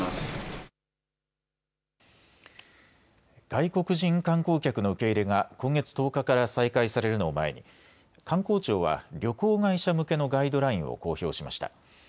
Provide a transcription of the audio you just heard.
外国人観光客の受け入れが今月１０日から再開されるのを前に観光庁は旅行会社向けのガイドラインを公表しました。